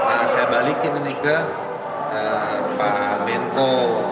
nah saya balikin ini ke pak menko